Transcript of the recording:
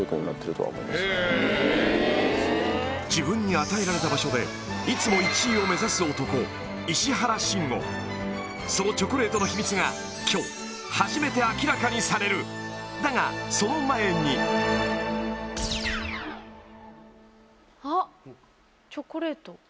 自分に与えられた場所でいつも１位を目指す男石原紳伍そのチョコレートの秘密が今日初めて明らかにされるだがその前にあっチョコレート。